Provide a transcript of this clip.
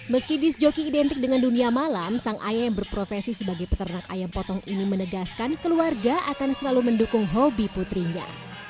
meski disc joki identik dengan dunia malam sang ayah yang berprofesi sebagai peternak ayam potong ini menegaskan keluarga akan selalu mendukung hobi putrinya